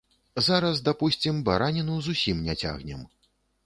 Зараз, дапусцім, бараніну зусім не цягнем.